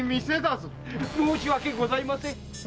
申し訳ございません！